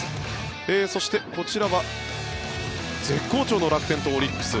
そして、こちらは絶好調の楽天とオリックス。